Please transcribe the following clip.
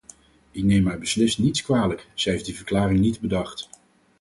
Ik neem haar beslist niets kwalijk, zij heeft die verklaring niet bedacht.